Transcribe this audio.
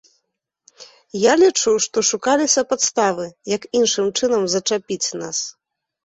Я лічу, што шукаліся падставы, як іншым чынам зачапіць нас.